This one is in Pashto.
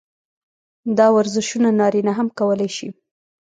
دا ورزشونه نارينه هم کولے شي -